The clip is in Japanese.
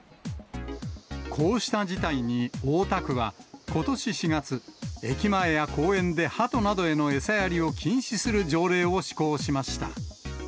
こうした事態に、大田区はことし４月、駅前や公園でハトなどへの餌やりを禁止する条例を施行しました。